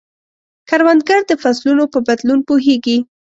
کروندګر د فصلونو په بدلون پوهیږي